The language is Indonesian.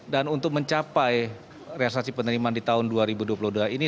dan untuk mencapai reasasi penerimaan di tahun dua ribu dua puluh dua ini